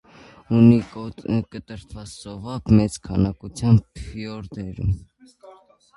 Ունի կտրտված ծովափ մեծ քանակությամբ ֆյորդերով։